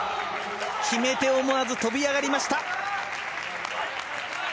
決めて思わず飛び上がりました。